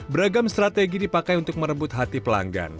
beragam strategi dipakai untuk merebut hati pelanggan